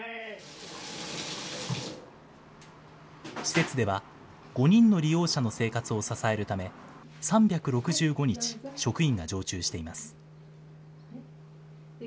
施設では５人の利用者の生活を支えるため、３６５日、職員が常駐しています。